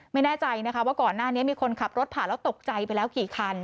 ไม่แน่ใจนะคะว่าก่อนหน้านี้มีคนขับรถผ่านแล้วตกใจไปแล้วกี่คัน